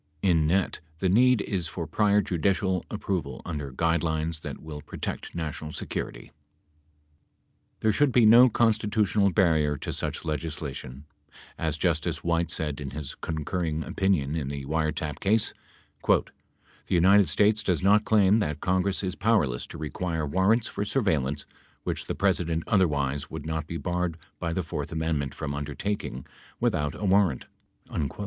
In net, the need is for prior judicial approval under guide lines that will protect national security. There should be no constitutional barrier to such legislation. As Justice White said in his concurring opinion in the wiretap case, "the United States does not claim that Congress is powerless to require warrants for surveillance which the President otherwise would not be barred by the fourth amendment from undertaking without a warrant."